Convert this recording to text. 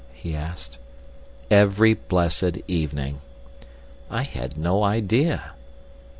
_" he asked. "Every blessed evening." "I had no idea."